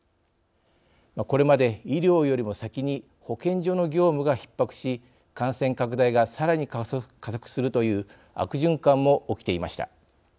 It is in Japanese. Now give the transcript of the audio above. これまで医療よりも先に保健所の業務がひっ迫し感染拡大がさらに加速するという悪循環も起きていました。